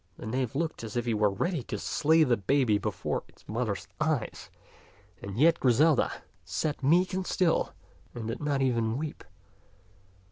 The knave looked as if he were ready to slay the baby before its mother's eyes ; and yet Griselda sat meek and still, and did not even weep.